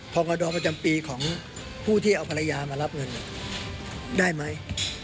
กรกตประจำปีของผู้ที่เอาภรรยามารับเงินได้ไหม